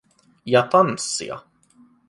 Ja tanssia.